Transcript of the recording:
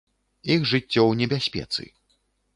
Іх жыццё ў небяспецы.